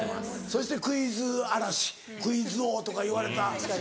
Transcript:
そして「クイズ荒らし」「クイズ王」とかいわれた男。